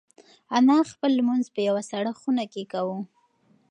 انا خپل لمونځ په یوه سړه خونه کې کاوه.